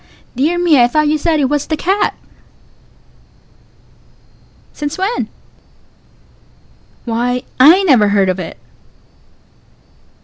_ Dear me, I thought you said it was the cat! Pause. Since when? Pause. Why, I never heard of it.